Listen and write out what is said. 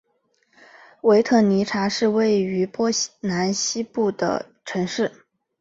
维特尼察是位于波兰西部的城市。